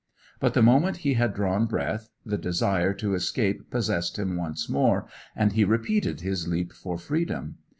But, the moment he had drawn breath, the desire to escape possessed him once more, and he repeated his leap for freedom.